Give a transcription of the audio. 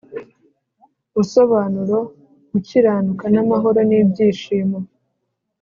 Busobanura gukiranuka n’amahoro n’ibyishimo